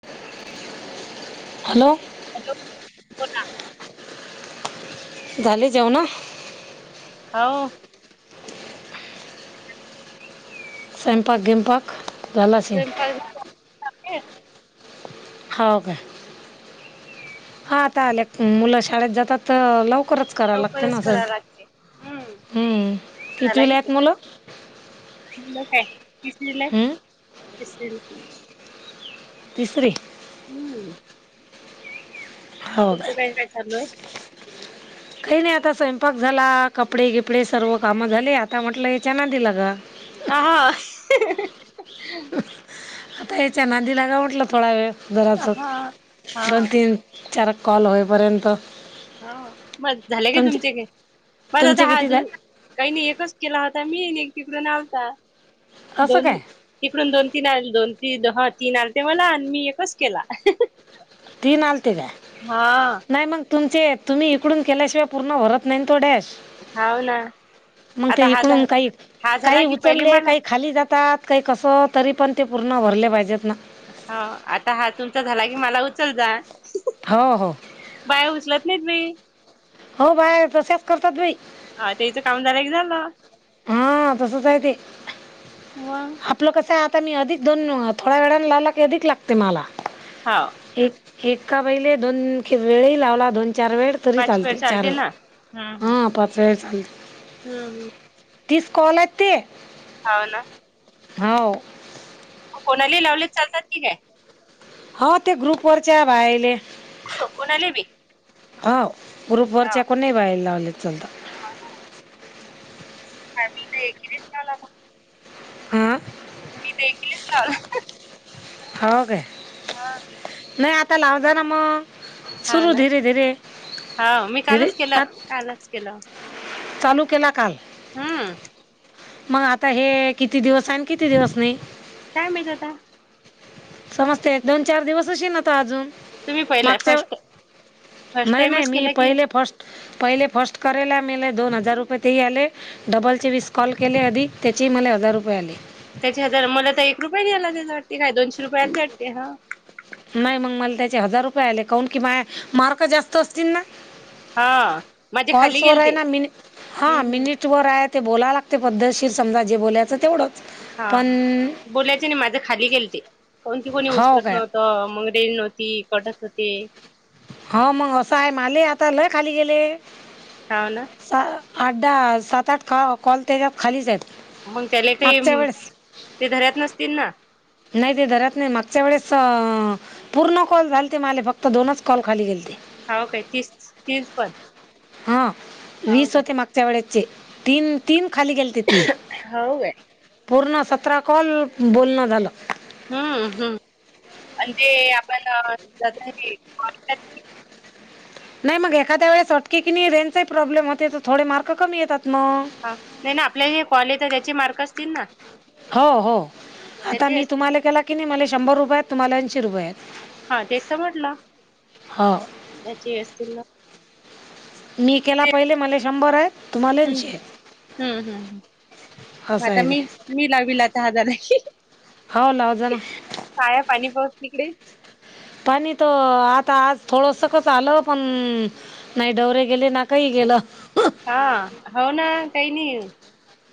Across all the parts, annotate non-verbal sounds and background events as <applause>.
<inaudible> Hello. Hello. बोला झाले जेवण? हो. स्वयंपाक गेंपाक स्वयंपाक झाला. हाव काय? हा आता आल्यात, मुलं शाळेत जातात. तर लवकरच कराव लागते लवकरच ना कराय स्वयंपाक. लागते. हम्म हम्म. शाळेला कितवीला गेली हाईत मुलं? मुलं काय तिसरीला आहेत हम्म. तिसरीला. तिसरी हम्म. तुमचं काय काय चालू हाय? काहय नाही आता स्वयंपाक झाला, कपडे गिपडे सर्व काम झाले. आता म्हटलं याच्या नादी लागा. हा, हा. आता याच्या नादी लागाव म्हंटल थोडा वेळ हा जरासक. हा दोन तीन चार कॉल होईपर्यंत हो. मग झालं काय तुमचे तुमचं काही? माझे तुमचे दहा किती अजून झाले काही नाही एकच केला होता मी आणि तिकडून आलता. असं दोन काय तिकडून दोन तीन आ दोन तीन हा तीन आल ते मला आणि मी एकच केला. तीन आलते काय? हा नाही मग तुमचे तुम्ही इकडून केल्याशिवाय पूर्ण होरत नाही ना तो डॅश. हाव ना मग आता ते हा झा इकडून काही हा झाला काही की पहिले उचलले, मला काही खाली जातात. काही कसं तरी पण ते पूर्ण भरले पाहिजेत ना. हा आता हा तुमचा झाला, की मला उचल जा. हो, हो. बाया उचलत नायत बाई. हो बाया तशाच करत्यात बाई. हा तेचं काम झालं की झालं. हा, तसच आहे ते. मग आपलं कसं आहे आता मी अधिक दोन थोड्या वेळाने लावला की अधिक लागते मला. हाव. एक एका बाईले दोन वेळी लावला. दोन चार वेळ तरी पाच पेड चालते चार वेळा, ना हम्म हम्म. हां पाच वेळा चालते. हम्म. तीस कॉल आहेत ते. हाव ना. हो. कोणालाही लावले चालतात की काय? हो ते ग्रुपवरच्या बाईले. कोणाले बी? हो‌ ग्रुपवरच्या कोणीही बायला लावले चालत. हा ना. हा मी तर एकेलाच लावले फोन. हा मी तर एकिलाच लावला. हाव‌ काय? हा नाही आता लाव जा ना मग. हाव सुरू ना धीरे, धीरे. हाव मी धीरे कालच आ केलं कालच केलं. चालू केला काल. हम्म मग आता हे किती दिवस आहे आणि किती दिवस नाही. काय माहित आता. समजते दोन चार दिवस अशीन अशीन आता अजून. तुम्ही पहिला मागच्या फर्स्ट फर्स्ट नाही, नाही टाइमच मी केला की पहिले फर्स्ट पहिले फर्स्ट करायला मिले दोन हजार रुपये तेही आले. डबलचे विस कॉल केले आधी त्याचेही मला हजार रुपये आले. त्याचे हजार मला तर एक रुपये नाही आला त्याचा वाटते काय दोनशे रुपये आलते वाटते हा. नाही मग मला त्याचे हजार रुपये आले काऊन की माये मार्क जास्त असतील ना. हा माझे खाली कॉल्स हो आहे गेलते ना मि हा हम्म हम्म मिनिट <unintelligible> ते बोलायला लागतंय पद्धतशीर, समजा जे बोलायचं तेवढं. हा बोलायचं हाय ना माझं खाली गेलते. फोनबी कोणी हो उचलत काय नव्हतं. मग टेन होती कटत होते हा मग असं हाय, माले आता लय खाली गेले. हाव ना. सा आठ, दहा, सात आठ कॉ कॉल त्याच्या खालीच आहेत. मग त्याले मागच्या काही, वेळेस ते धरत नसतील ना. नाही ते धरत नाही मागच्या वेळेस अं पूर्ण कॉल झालते माले फक्त दोनच कॉल खाली गेलते. हाव काय तीस तीस पण हा हाव वीस काय होते मागच्या वेळेसचे तीन, तीन खाली गेल ते तीन हाव काय पूर्ण सतरा कॉल बोलणं झालं. हम्म हम्म, म्हणजे आपण <unintelligible> नाही मग एखाद्या वेळेस अटके कि नाही रेंजचाही प्रॉब्लेम होतंय, तर थोडे मार्क कमी येतात मग. हा, नाही ना आपल्याला हे कॉल येतात, ना याचे मार्क असतील ना. हो हो, आता त्याचे मी असतील तुम्हाला केला की नाही मला शंभर रुपये आहेत. तुम्हाला ऐंशी रुपये आहेत. हा तेच त म्हंटला. हो त्याची असतील ना मी केला ते पहिले, मले शंभर आहेत. तुम्हाला हम्म ऐंशी हम्म, आहेत हम्म हम्म हम्म. मग असं आता आहे मी ते मी लावीला आता हजार आहे. हाव लाव जाना. काय हाय पाणी पाऊस तिकडे? पाणी त आता आज थोडसकच आलं, पण नाही डवरे गेले ना काही गेलं. हा हो ना <unintelligible>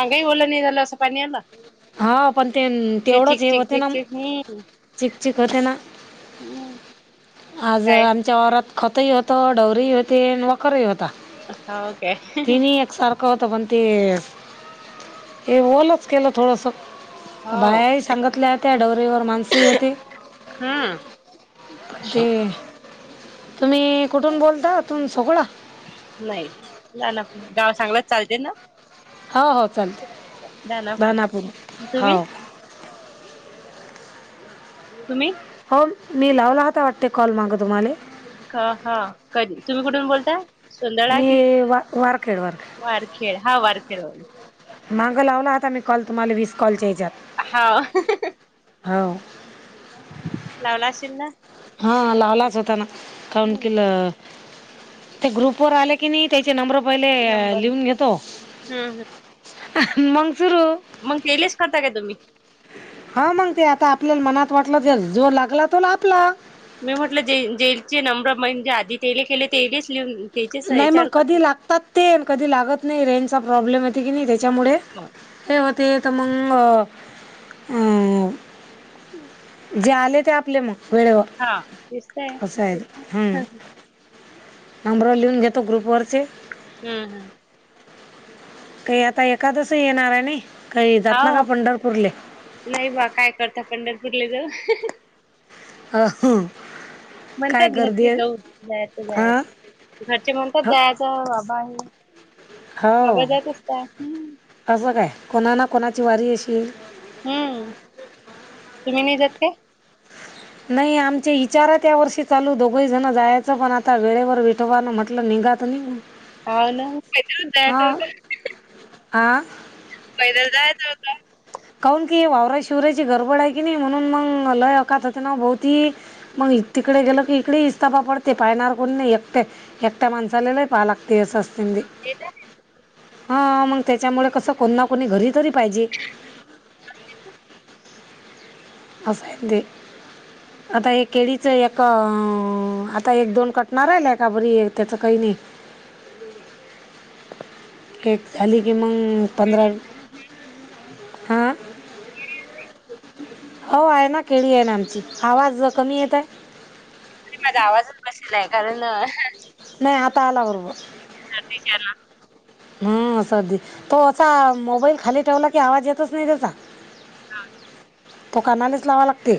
अंगही ऑल नाही झालं, असं पाणी आलं. हा पण ते ते तेवढंच चिक हे चिक होते चिक ना म चिक हम्म चिक चिक होते ना, हम्म आज काय आम च्या रत खतही होतं, डवरही होते, वखरही होता. हो काय तीनही एकसार खं होतं पण ते, हे ओलच केलं थोडसं. हो बाहेर सांगतल्या, त्या डवरेवर माणसही होती. हा. ते तुम्ही कुठून बोलता, तून सगुना? नाही, ना ना पण गाव सांगलंच चालते ना? हो हो चालते, दानापूर भानापूर हो. तुम्ही तुम्ही? हो, मी लावला होता वाटते कॉल मागं तुम्हाले. ह ह, कधी? तुम्ही कुठून बोलताय? सुंदळा की मी वा वारखेड वारखेड वारखेड. हा वारखेड वरून. मागं लावला आता मी कॉल तुम्हाला वीस कॉलच्या येच्यात. हा. हाव. लावला अशेल ना. हा लावलाच होता ना, हम्म <unintelligible> ते ग्रुप वर आले की नाही त्याचे नंबर पहिले नंबर लिहून घेतो. हम्म हम्म मग सुरू. मग तेलेस करता का तुम्ही? हा मग ते आता आपल्याला मनात वाटलं, जे जो लागला तो आपला. मी म्हटलं जे जेंचे नंबर म्हणजे आधी तेले केले तेजेच लिहून त्याचेच नाही मग याच्यावर कधी लागतात ते कधी लागत नाही रेंजचा प्रॉब्लेम येते की नाही त्याच्यामुळे, करता हे हो ते त मंग अं जे आले ते आपले मग, वेळेवर. हा, दिसतंय असं आहे दिसतंय, हं हं. नंबर लिहून घेतो ग्रुपवरचे. हम्म हम्म काही आता एकादस येणार आहे नई काही जात ना का हाव पंढरपूरले? नाही बा काय करता पंढरपूरला जाऊन अ हं. म्हणतात काय गर्दी घ्याचे आहे जाऊ, जायचं आ जायचं. घरचे म्हणातात, ह जायचं बाहेर. हो, हम्म असं काय. कोणा ना कोणाची वारी अशील. हम्म तुम्ही नाही जात काय नाही आमचे इचारा त्या वर्षी चालू दोघही जण जायचं पण आता वेळेवर वेट तोवा न म्हंटलं निगा तुम्ही हा ना काही द्यायचं होत आं पैदल जायचं होतं काून की वावरा शिवरायाची गडबड आहे की नाही म्हणून मग लय अकातते ना बहती मग तिकडे गेलं की इकडे इस्ताफा पडते पाहिणार कोणी नाही एकटे एक्ट मणसालेला पालक तसो असते ठीक आहे हा मग त्याच्यामुळे कसं कोण ना कोणी घरी तरी पाहिजे <inaudible> अस आहे ते. आता हे केळीचं एक आता एक दोन कटणार आहे का बरी त्याचं काही नाही. के खाली की मग पंधरा हां हो आहे ना केळी आहे ना आमची आवाज कमी येतय? माझा आवाजच बसेला आहे कारण अहां नाही आता आला बरोबर. <unintelligible> हम्म सर्दी तो तेचा असा मोबाईल खाली ठेवला की आवाज येतच नाही त्याचा? हा तो कानानेच लावा लागते.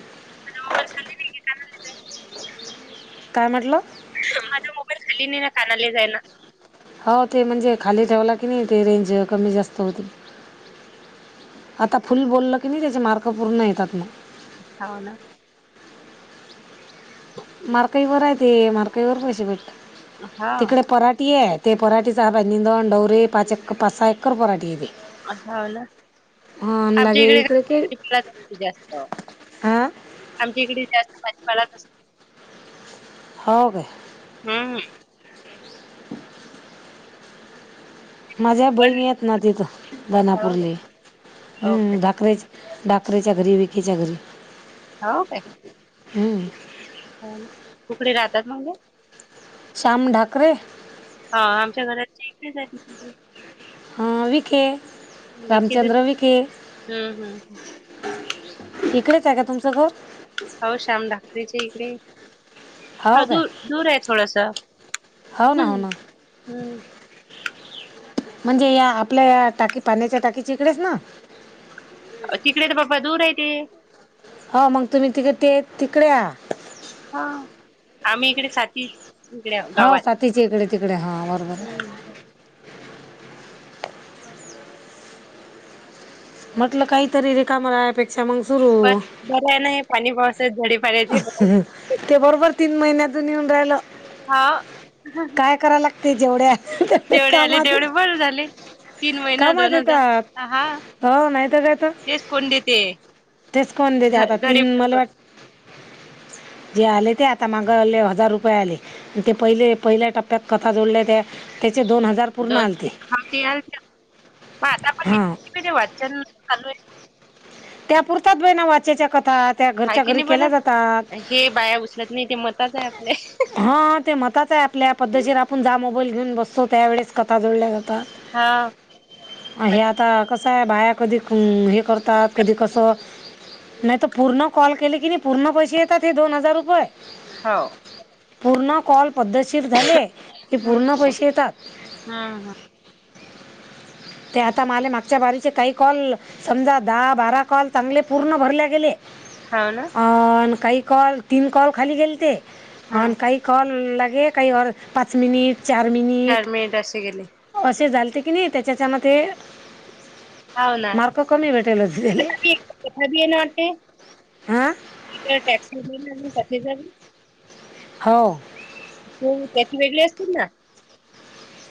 मोबाईल खालीे कानाली जाये काय म्हटलं माझा मोबाईल खाली नाही ना कानाले जायना हो ते म्हणजे खाली ठेवला की नाही ते रेंज कमी जास्त होते. आता फुल बोललं की नाही त्याचे मार्क पूर्ण येतात. हो ना <inaudible> मार्काई वर आहे ते मार्काई वर पैसे भेटत तिकडे हा पराठी आहेत. ते पराठीेचा निंदण डवरे पाच एक पाच सहा एकर पराठी येते. आठवलं आमच्या इकडे जा जास्त हां आमच्या इकडे जास्त भाजीपालाच असतो हो काय? हम्म <inaudible> माझ्या पण बहीणी येत ना तिथं दनापूरली ओके धाकरेच डाकरेच्या घरी विकीच्या घरी हो काय? हम्म हो कुकडे राहतात मग ते श्याम ढाकरे हा आमच्या घरात इथेच आहेत म ते हा विखे <unintelligible> रामचंद्र विखे हम्म, हम्म. इकडेच आहे का तुमचं घर? हो श्याम ढाकळीच्या इकडे. घर ह हो काय दूर दूर आहे थोडस हो ना हम्म हो ना हम्म. म्हणजे या आपल्या टाकी पाण्याच्या टाकीचे इकडेच ना तिकडे तर बाबा दूर आहे ते. हा मग तुम्ही तिघे ते तिकडे या. हा. आम्ही इकडे साती इकडे या हो गावात. साथीच्या इकडे तिकडे हां बरोबर आहे हम्म, हम्म. म्हटलं काहीतरी रिकाम्यापेक्षा मग सुरु बर आहे नाही पाणी पावसा घडी ते बरोबर तीन महिन्यातून येऊन राहिल. हा. काय कराय लागते जेवढ्या तेवढे जेवढे आले कामात तेवढे येत- बर झाले. तीन महिना कामात दोन हजार येतात हा. हो नाही तर काय तर तेच कोण देते? तेच कोण देत घ आता घरी तीन मला वाट जे आले ते आता मागले हजार रुपये आले. ते पहिले पहिल्या टप्प्यात कथा जोडल्या त्या त्याचे दोन हजार पूर्ण दोन आलते खाते हा. काय नाही वाचन चालू आहे. त्या पुुरतात बाई ना वाचेच्या कथा त्या हाय घरच्या की घरी नाही केल्या बरं जातात. हे बाया उचलत नाही ते मताच आहे आपल्या. हा ते मताच आहे आपल्या पद्धतीर आपण जा मोबाईल घेऊन बसतो त्यावेेळेस कथा जोडल्या जातात. हा. हे आता कसं आहे बाया कधी अ हे करतात कधी कसं. नाहीतर पूर्ण कॉल केले की नई पूर्ण पैसे येतात हे दोन हजार रुपये. हो. पूर्ण कॉल पद्धतशीर झाले, की हम्म पूर्ण पैसे येतात. हम्म, हम्म. ते आता माले मागच्या बारीचे काही कॉल समजा दहा, बारा कॉल चांगले पूर्ण भरले गेले हा ना? अन काही कॉल तीन कॉल खाली गेलते आणि हम्म काही कॉल लागे काही आर पाच मिनिट, चार चार मिनिट असे गेले असे झालते की नाही. त्याच्याच्यानं ते हो ना मार्क कमी भेटेल हो तेल. हां <unintelligible> हो. तर त्याची वेगळे असतील ना?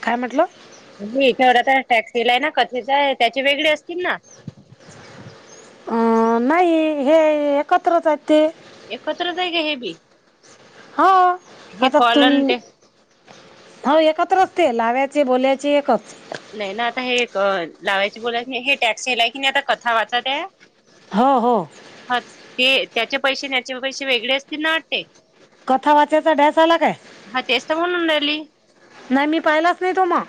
काय म्हटलं? <unintelligible> त्याच्यावर टॅक्स लिहिलंय ना कथेच त्याचे वेगळे असतील ना? अ नाही हे एकत्रच आहेत ते. एकत्रच हाय काय हे बी? हो, हे आता कॉल तुम आणि ते हो एकत्रच ते लावायचे, बोलायचे एकच. नाही ना आता हे एक लावायची, बोलायची नाही. हे टॅक्स येलाय की नाही आता कथा वाचते. हो, हो. हा ते त्याचे पैसे आणि याचे पैसे वेगळे असतील ना ते. कथा वाचायचा डॅश आला काय? हा तेच तर म्हणून राहिली नाही मी पाहिलाच नाही तो मग.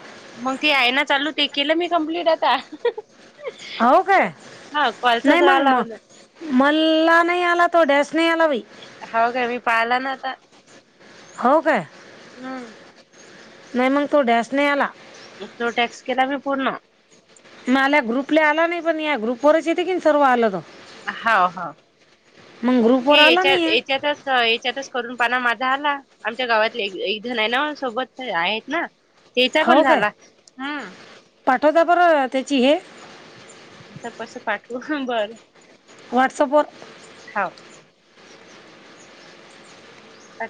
मग ते आहे ना चालू ते केलं मी कंप्लीट आता. हो काय हा कॉलचाच नाही लावलं. मल्ला नाही आला तो डॅन नाही आला बाई. हो काय मी पाहिला न्हवता. हो काय? हम्म. नाही मग तो डॅश नाही आला. तो टॅक्स केला मी पूर्ण. नाही आलं ग्रुपला आला नाही, पण या ग्रुपवरच येते की सर्व आलं तर. हो, हो. मग ग्रुपवर की आला नाही याच्यात आहे याच्यातच याच्यातच करून पाहिला माझा आला. आमच्या गावातले एक जण आहे ना, सोबत आहेत ना त्याचा पण हो काय झाला हम्म. पाठवता बरं त्याची हे आता कस पाठवू? बरं. व्हाट्सअपवर. हो. अ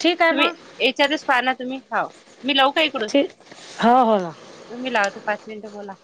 ठीक आहे मग याच्यातच पाह ना तुम्ही हाव. मी लावू का इकडून? ठीक हो हो ना तुम्ही लावते पाच मिनिटं बोला.